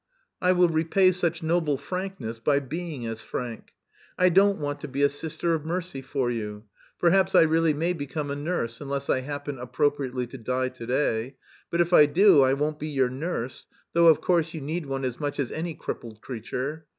"I will repay such noble frankness by being as frank. I don't want to be a Sister of Mercy for you. Perhaps I really may become a nurse unless I happen appropriately to die to day; but if I do I won't be your nurse, though, of course, you need one as much as any crippled creature.